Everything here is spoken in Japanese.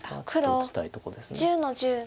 打ちたいとこです。